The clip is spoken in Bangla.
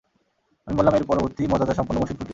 আমি বললাম, এর পরবর্তী মর্যাদাসম্পন্ন মসজিদ কোনটি?